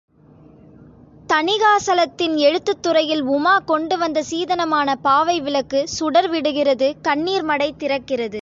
தணிகாசலத்தின் எழுத்துத் துறையில் உமா கொண்டு வந்த சீதனமான பாவை விளக்கு சுடர் விடுகிறது கண்ணீர்மடை திறக்கிறது.